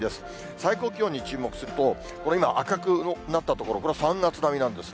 最高気温に注目すると、これ今、赤くなった所、これは３月並みなんですね。